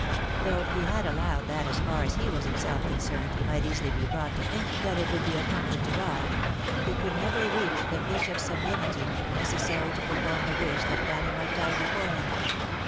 Though he had allowed that as far as he was himself concerned he might easily be brought to think that it would be a comfort to die, he could never reach the pitch of sub limity necessary to form the wish that Fanny might die before him.